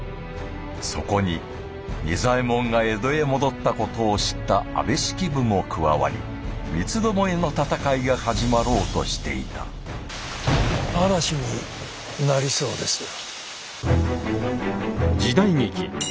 そこに仁左衛門が江戸へ戻った事を知った安部式部も加わり三つどもえの戦いが始まろうとしていた嵐になりそうですよ。